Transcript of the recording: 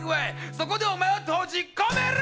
そこでお前を閉じ込める！